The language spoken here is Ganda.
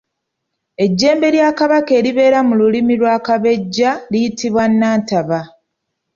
Ejjembe lya Kabaka eribeera mu Lubiri lwa Kabejja liyitibwa Nantaba.